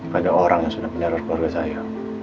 pada orang yang sudah mendarat keluarga saya